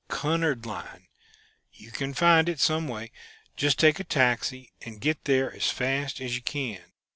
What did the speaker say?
Cunard line. You can find it some way just take a taxi, and get there as fast as you can.